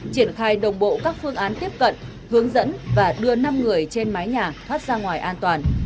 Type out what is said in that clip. triển khai đồng bộ các phương án tiếp cận hướng dẫn và đưa năm người trên mái nhà thoát ra ngoài an toàn